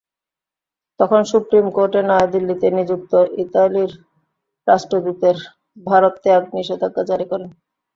তখন supreme court নয়াদিল্লিতে নিযুক্ত ইতালির রাষ্ট্রদূতের ভারতত্যাগে নিষেধাজ্ঞা জারি করেন।